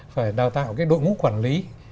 phải đào tạo đội ngũ quản lý